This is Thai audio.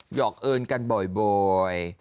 หอกเอิญกันบ่อย